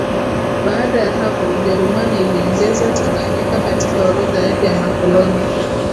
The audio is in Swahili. Baada ya hapo Ujerumani iliongeza Tanganyika katika orodha yake ya makoloni